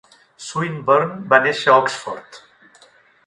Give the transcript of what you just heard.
Swinburn va néixer a Oxford.